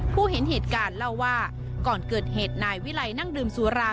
ผู้เห็นเหตุการณ์เล่าว่าก่อนเกิดเหตุนายวิไลนั่งดื่มสุรา